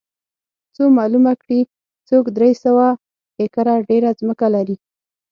څو معلومه کړي څوک درې سوه ایکره ډېره ځمکه لري